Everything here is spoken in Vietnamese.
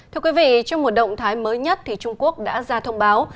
thưa quý vị trong một động thái mới nhất trung quốc đã ra thông báo